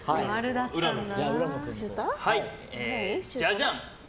じゃじゃん！